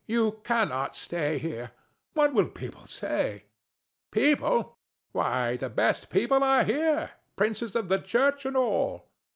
You cannot stay here. What will people say? THE STATUE. People! Why, the best people are here princes of the church and all.